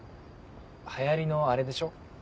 流行りのアレでしょ？